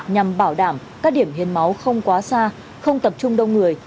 nhằm bảo đảm các điểm hiến máu không quá xa không tập trung đông người